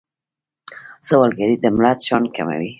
سوالګري د ملت شان کموي